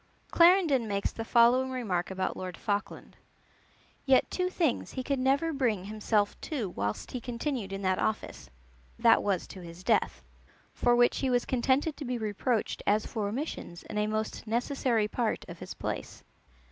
Clarendon makes the following remark about Lord Falkland: "Yet two things he could never bring himself to whilst he continued in that office, that was to his death; for which he was contented to be reproached as for omissions in a most necessary part of his place.